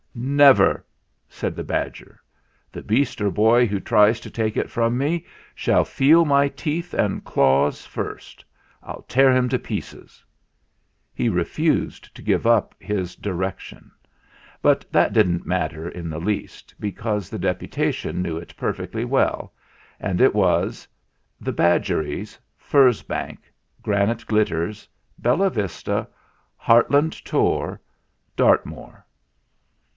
"Never," said the badger ; "the beast or boy who tries to take it from me shall feel my teeth and claws first. I'll tear him to pieces !" He refused to give up his direction ; but that didn't matter in the least, because the Deputa tion knew it perfectly well, and it was : "The Badgeries, Furzebank, Granite Glitters, Bellavista, Hartland Tor, Dartmoor."